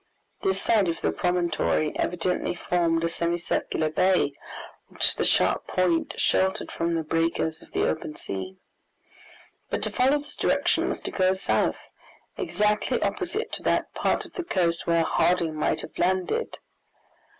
This side of the promontory evidently formed a semicircular bay, which the sharp point sheltered from the breakers of the open sea. But to follow this direction was to go south, exactly opposite to that part of the coast where Harding might have landed.